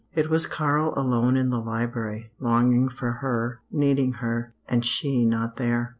It was Karl alone in the library, longing for her, needing her and she not there.